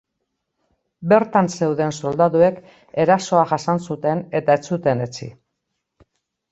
Bertan zeuden soldaduek erasoa jasan zuten eta ez zuten etsi.